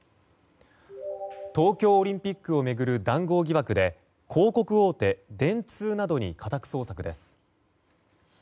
東京オリンピックを巡る談合疑惑で広告大手・電通などに家宅捜索です。